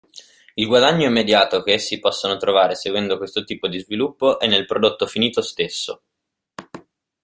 Il guadagno immediato che essi possono trovare seguendo questo tipo di sviluppo è nel prodotto finito stesso.